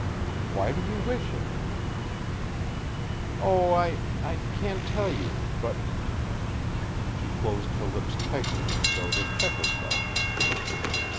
"Why do you wish it?" "Oh, I I can't tell you, but " She closed her lips tightly as though to check herself.